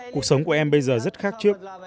cuộc sống của em bây giờ rất khác trước